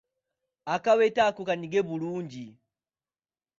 Akaweta ako kanyige bulungi.